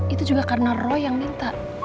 itu juga karena roh yang minta